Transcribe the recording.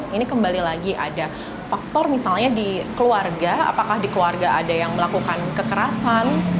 ini kembali lagi ada faktor misalnya di keluarga apakah di keluarga ada yang melakukan kekerasan